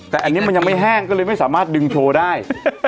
แต่อันนี้มันยังไม่แห้งก็เลยไม่สามารถดึงโชว์ได้